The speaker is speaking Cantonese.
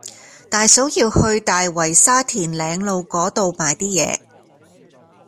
大嫂要去大圍沙田嶺路嗰度買啲嘢